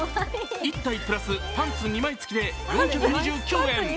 １体プラスパンツ２枚つきで４２９円。